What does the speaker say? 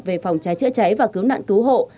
về phòng cháy chữa cháy và cứu nạn cứu hộ